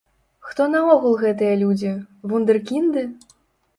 Хто наогул гэтыя людзі, вундэркінды?